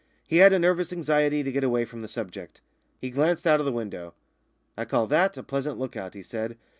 He had a nervous anxiety to get away from the subject. He glanced out of the window. "I call that a pleasant lookout," he said.